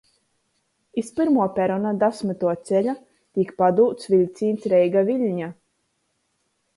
Iz pyrmuo perona dasmytuo ceļa teik padūts viļcīņs Reiga — Viļņa.